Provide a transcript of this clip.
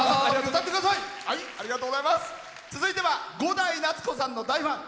続いては伍代夏子さんの大ファン。